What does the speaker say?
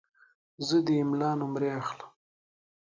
زه د املا نمرې اخلم.